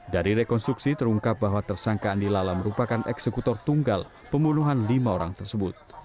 dari rekonstruksi terungkap bahwa tersangka andi lala merupakan eksekutor tunggal pembunuhan lima orang tersebut